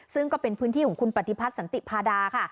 ซึ่งก็เป็นพื้นที่ของคุณปฏิพัฒน์สันติพาดาค่ะ